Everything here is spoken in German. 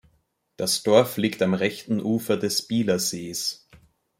Das Dorf liegt am rechten Ufer des Bielersees.